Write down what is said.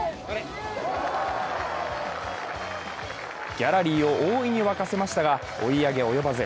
ギャラリーを大いに沸かせましたが、追い上げ及ばず。